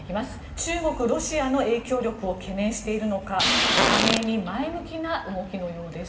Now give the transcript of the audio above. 中国、ロシアの影響力を懸念しているのか加盟に前向きな動きのようです。